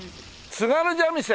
津軽三味線！